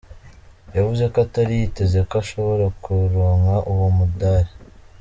Yavuze ko atari yiteze ko ashobora kuronka uwo mudari.